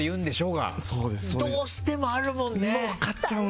がどうしてもあるもんね。